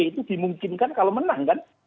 itu dimungkinkan kalau menang kan